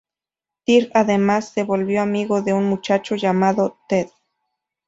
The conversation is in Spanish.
Tir además se volvió amigo de un muchacho llamado Ted.